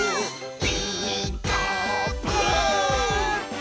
「ピーカーブ！」